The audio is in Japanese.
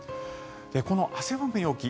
この汗ばむ陽気